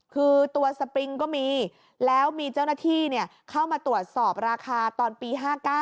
คือตัวสปริงก็มีแล้วมีเจ้าหน้าที่เข้ามาตรวจสอบราคาตอนปี๕๙